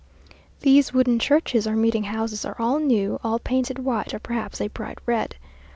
These wooden churches or meeting houses are all new, all painted white, or perhaps a bright red.